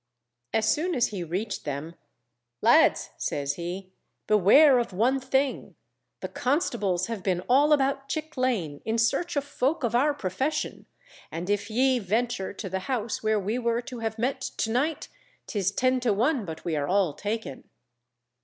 As soon as he reached them, Lads, says he, _beware of one thing; the constables have been all about Chick Lane in search of folk of our profession, and if ye venture to the house where we were to have met to night, 'tis ten to one but we are all taken.